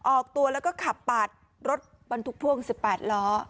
ออกตัวแล้วก็ขับปาดรถบรรทุกพ่วง๑๘ล้อ